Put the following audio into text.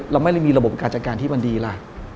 เราไม่ได้มีระบบการจัดการที่มันดีล่ะ